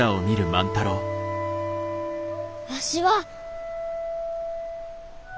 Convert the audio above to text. わしは。